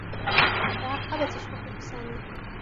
تعقّبت الشّرطة سامي.